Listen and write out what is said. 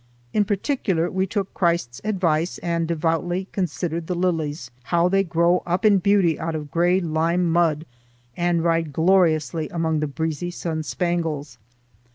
In particular we took Christ's advice and devoutly "considered the lilies"—how they grow up in beauty out of gray lime mud, and ride gloriously among the breezy sun spangles.